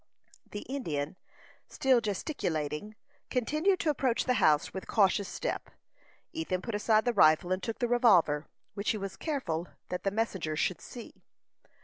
The Indian, still gesticulating, continued to approach the house with cautious step. Ethan put aside the rifle, and took the revolver, which he was careful that the messenger should see.